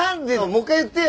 もう一回言ってよ！